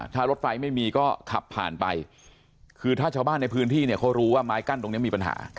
ถ้ารถไฟไม่มีก็ขับผ่านไปคือถ้าชาวบ้านในพื้นที่เนี่ยเขารู้ว่าไม้กั้นตรงนี้มีปัญหา